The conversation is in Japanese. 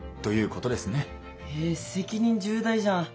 え責任重大じゃん。